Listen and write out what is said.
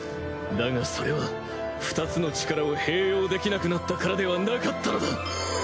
だがそれは２つの力を併用できなくなったからではなかったのだ！